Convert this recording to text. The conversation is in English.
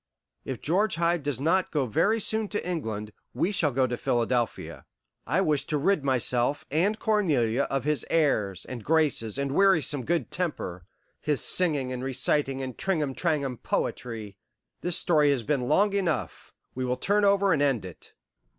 If George Hyde does not go very soon to England, we shall go to Philadelphia. I wish to rid myself and Cornelia of his airs and graces and wearisome good temper, his singing and reciting and tringham trangham poetry. This story has been long enough; we will turn over and end it."